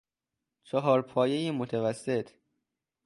چهار پایه متوسط